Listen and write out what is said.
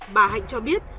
bà hạnh cho biết